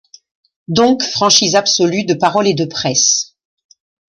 Donc franchise absolue de parole et de presse.